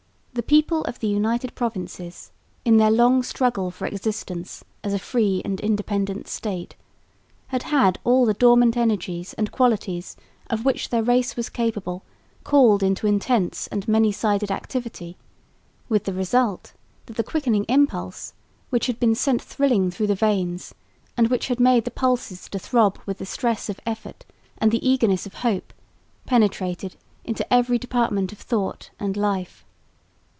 The people of the United Provinces in their long struggle for existence, as a free and independent state, had had all the dormant energies and qualities of which their race was capable called into intense and many sided activity, with the result that the quickening impulse, which had been sent thrilling through the veins, and which had made the pulses to throb with the stress of effort and the eagerness of hope, penetrated into every department of thought and life.